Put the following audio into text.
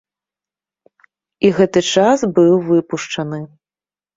І гэты час быў выпушчаны.